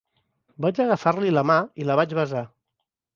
Vaig agafar-li la mà i la vaig besar.